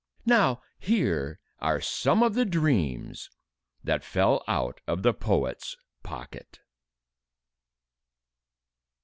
Now, these are some of the dreams that fell out of the poet's pocket.